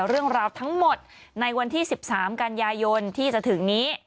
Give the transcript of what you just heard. เรื่องราวทั้งหมดในวันที่๑๓กันยายนที่จะถึงนี้